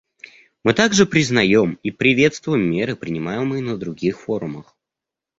Мы также признаем и приветствуем меры, принимаемые на других форумах.